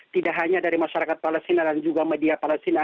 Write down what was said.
tidak hanya dari masyarakat palestina dan juga media palestina